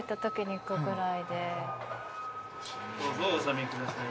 どうぞお納めください。